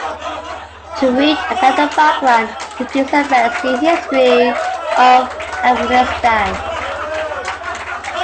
To read about the background to these events, see History of Afghanistan.